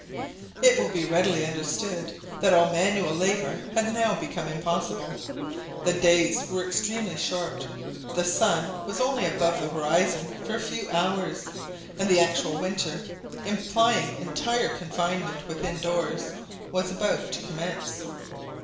It will readily be understood that all manual labour had now become impossible. The days were extremely short, the sun was only above the horizon for a few hours and the actual winter, implying entire confinement within doors, was about to commence.